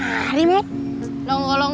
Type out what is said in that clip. udah ikut aja gue gulung